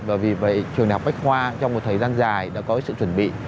và vì vậy trường đại học bách khoa trong một thời gian dài đã có sự chuẩn bị